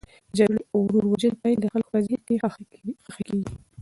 د جګړې او ورور وژنې پایلې د خلکو په ذهن کې خښي کیږي.